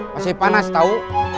masih panas tau